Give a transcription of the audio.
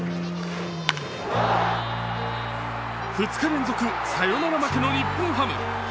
２日連続サヨナラ負けの日本ハム。